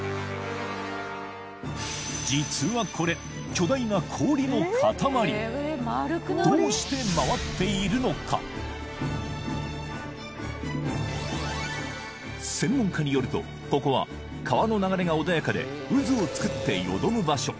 実はこれ巨大な氷の塊専門家によるとここは川の流れが穏やかで渦をつくってよどむ場所